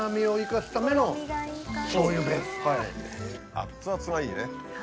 熱々がいいね。